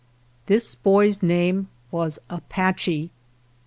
This boy's name was Apache.